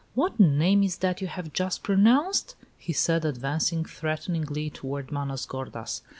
"What name is that you have just pronounced?" he said, advancing threateningly toward Manos gordas.